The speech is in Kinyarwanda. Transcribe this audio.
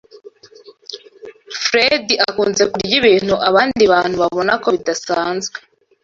Fredy akunze kurya ibintu abandi bantu babona ko bidasanzwe.